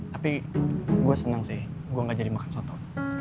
tapi gue senang sih gua nggak jadi makan soto